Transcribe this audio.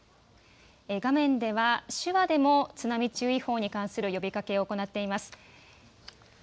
画面では手話でも津波注意報に関する呼びかけを行っています。